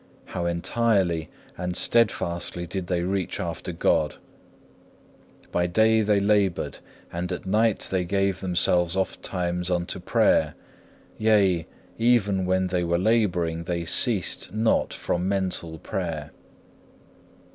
how entirely and steadfastly did they reach after God! By day they laboured, and at night they gave themselves ofttimes unto prayer; yea, even when they were labouring they ceased not from mental prayer.